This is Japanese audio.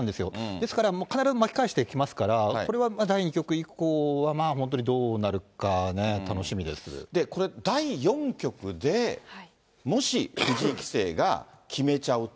ですから、必ず巻き返してきますから、これは第２局以降は、まあ本当にどうこれ、第４局でもし藤井棋聖が決めちゃうと。